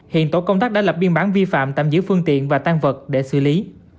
hiện tổ công tác đã lập biên bản vi phạm tạm giữ phương tiện và tan vật để xử lý